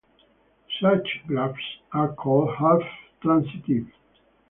Such graphs are called half-transitive.